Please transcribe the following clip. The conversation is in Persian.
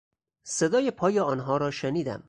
صدای پای آنها را شنیدم.